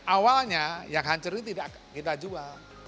awalnya yang hancur ini tidak kita jual